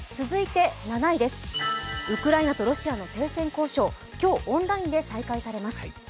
続いて７位はウクライナとロシアの停戦交渉、今日、オンラインで再開されます。